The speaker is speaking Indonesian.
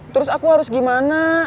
terus aku harus gimana